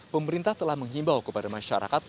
pemerintah telah menghimbau kepada masyarakat